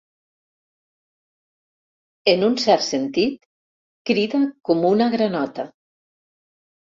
En un cert sentit, crida com una granota.